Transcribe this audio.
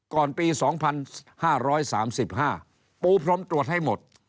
ก่อนปี๒๕๓๕ปูพรมตรวจให้หมด